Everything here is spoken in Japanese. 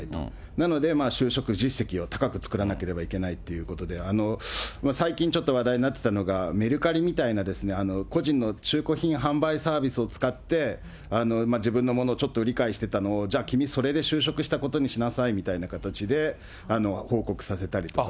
なので就職実績を高く作らなければいけないっていうことで、最近ちょっと話題になってたのが、メルカリみたいな、個人の中古品販売サービスを使って、自分のものちょっと売り買いしてたのを、じゃあ、君、それで就職したことにしなさいみたいな形で、報告させたりとか。